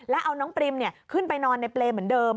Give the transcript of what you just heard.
แล้วเอาน้องปริมขึ้นไปนอนในเปรย์เหมือนเดิม